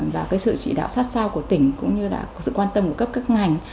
và cái sự chỉ đạo sát sao của tỉnh cũng như là sự quan tâm của cấp các ngành